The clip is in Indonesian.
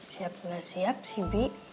siap enggak siap sibi